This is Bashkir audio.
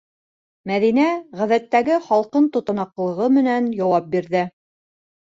Мәҙинә ғәҙәттәге һалҡын тотанаҡлығы менән яуап бирҙе: